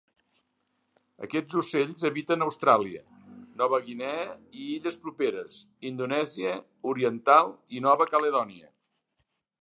Aquests ocells habiten Austràlia, Nova Guinea i illes properes, Indonèsia Oriental i Nova Caledònia.